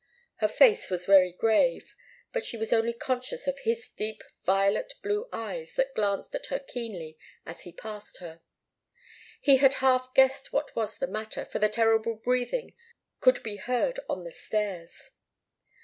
Her face was very grave, but she was only conscious of his deep violet blue eyes that glanced at her keenly as he passed her. He had half guessed what was the matter, for the terrible breathing could be heard on the stairs.